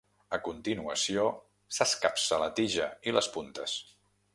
A continuació, s'escapça la tija i les puntes.